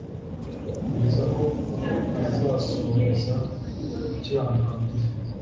kugeza aho azasohoreza gukiranuka mu isi."